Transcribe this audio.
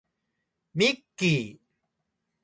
ミッキー